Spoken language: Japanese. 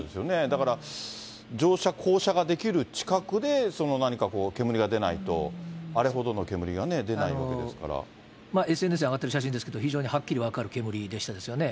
だから乗車、降車ができる近くで、何か煙が出ないと、あれほどの煙が出ないわＳＮＳに上がってる写真ですけれども、非常にはっきり分かる煙でしたですよね。